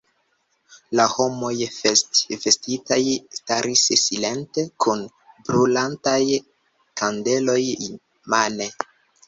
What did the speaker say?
La homoj festvestitaj staris silente kun brulantaj kandeloj mane.